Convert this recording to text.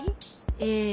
ええ。